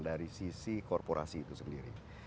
dari sisi korporasi itu sendiri